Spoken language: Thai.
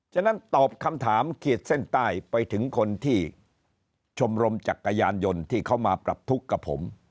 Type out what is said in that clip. ฉะนั้นตอบคำถามขีดเส้นใต้ไปถึงคนที่ชมรมจักรยานยนต์ที่เขามาปรับทุกข์กับผม